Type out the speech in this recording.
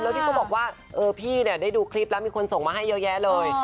แล้วพี่ก็บอกว่าเออพี่เนี่ยได้ดูคลิปแล้วมีคนส่งมาให้เยอะแยะเลย